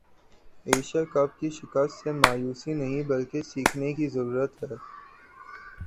Asia Cup کی شکست سے مایوس نہیں بلکہ سیکھنے کی ضرورت ہے